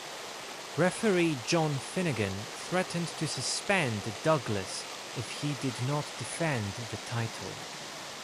Referee John Finnegan threatened to suspend Douglas if he did not defend the title.